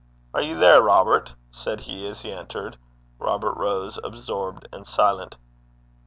'Are ye there, Robert?' said he, as he entered. Robert rose, absorbed and silent.